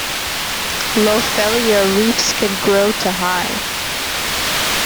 "Lophelia" reefs can grow to high.